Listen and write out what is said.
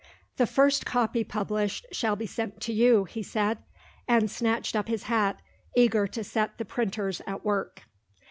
"The first copy published shall be sent to you," he said and snatched up his hat, eager to set the printers at work.